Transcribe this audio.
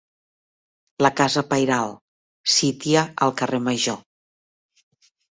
La casa pairal, sítia al carrer Major.